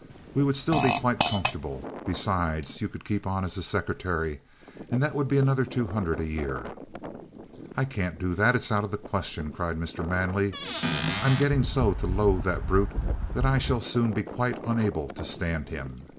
We should still be quite comfortable. Besides, you could keep on as his secretary, and that would be another two hundred a year." "I can't do that! It's out of the question!" cried Mr. Manley. "I'm getting so to loathe the brute that I shall soon be quite unable to stand him.